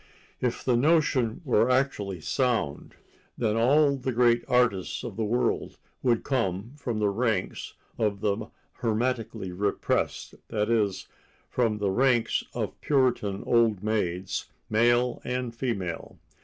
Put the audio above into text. If the notion were actually sound, then all the great artists of the world would come from the ranks of the hermetically repressed, i. e., from the ranks of Puritan old maids, male and female.